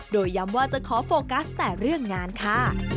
โดยย้ำว่าจะขอโฟกัสแต่เรื่องงานค่ะ